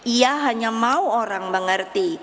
ia hanya mau orang mengerti